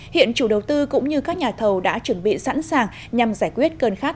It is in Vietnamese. hiện chủ đầu tư cũng như các nhà thầu đã chuẩn bị sẵn sàng nhằm giải quyết cơn khát